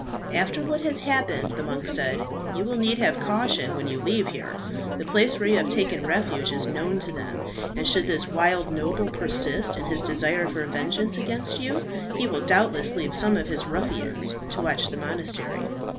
"After what has happened," the monk said, "you will need have caution when you leave here. The place where you have taken refuge is known to them, and should this wild noble persist in his desire for vengeance against you, he will doubtless leave some of his ruffians to watch the monastery.